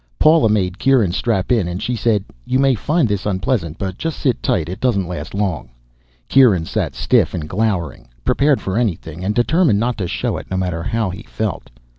Paula made Kieran strap in and she said, "You may find this unpleasant, but just sit tight. It doesn't last long." Kieran sat stiff and glowering, prepared for anything and determined not to show it no matter how he felt.